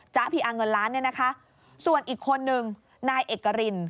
จ๊ะพีอาร์เงินล้านส่วนอีกคนนึงนายเอกริน